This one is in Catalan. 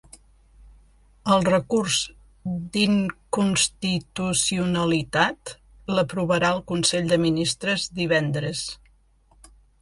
El recurs d’inconstitucionalitat, l’aprovarà el consell de ministres divendres.